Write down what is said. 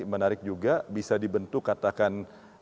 menarik juga bisa dibentuk katakan